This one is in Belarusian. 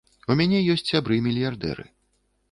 У мяне ёсць сябры мільярдэры.